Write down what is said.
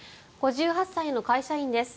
５８歳の会社員です。